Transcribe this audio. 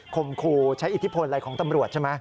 มครูใช้อิทธิพลอะไรของตำรวจใช่ไหม